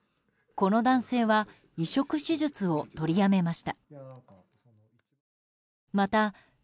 この男性は移植手術を取りやめました。